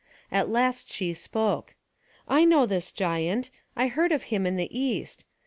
At last she spoke; "I know this giant. I heard of him in the East.